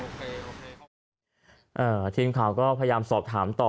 ฟังเสียงคนที่ไปรับของกันหน่อย